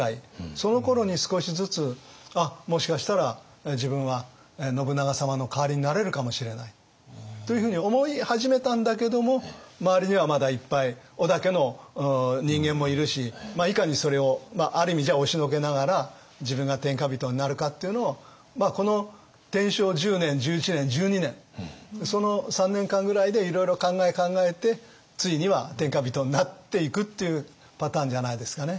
そのころに少しずつもしかしたら自分は信長様の代わりになれるかもしれないというふうに思い始めたんだけども周りにはまだいっぱい織田家の人間もいるしいかにそれをある意味押しのけながら自分が天下人になるかっていうのをこの天正１０年１１年１２年その３年間ぐらいでいろいろ考え考えてついには天下人になっていくっていうパターンじゃないですかね。